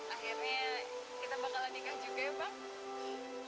akhirnya kita bakalan nikah juga ya pak